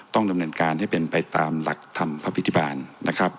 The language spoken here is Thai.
ต้องดำเนินการให้เป็นไปตามหลักธรรมพระพิธิบาลนะครับ